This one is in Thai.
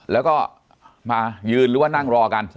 แล้วก็มายืนหรือว่านั่งรอกัน